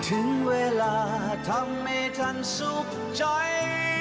ถึงเวลาทำให้ท่านสุขใจ